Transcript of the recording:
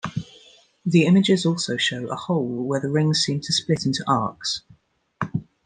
The images also show a hole where the rings seem to split into arcs.